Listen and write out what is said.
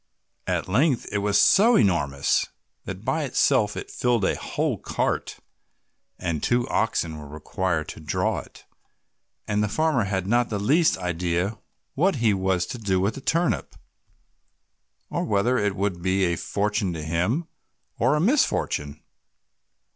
At length it was so enormous that by itself it filled a whole cart, and two oxen were required to draw it, and the farmer had not the least idea what he was to do with the turnip, or whether it would be a fortune to him or a misfortune.